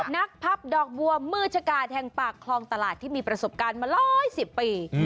นักพับดอกบัวมือชะกาดแห่งปากคลองตลาดที่มีประสบการณ์มา๑๑๐ปี